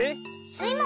スイも。